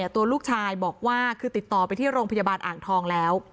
ตัวลูกชายบอกว่าคือติดต่อไปที่โรงพยาบาลอ่างทองแล้ว